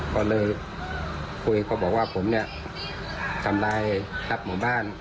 ก็เลยคุยเขาบอกว่าผมเนี่ยทำลายทัพหมู่บ้าน